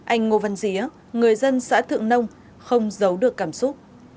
anh ngô văn día người dân xã thượng nông không giấu được cảm xúc